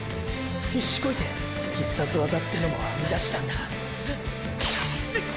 必死こいて「必殺ワザ」てのも編み出したんだうっつ！！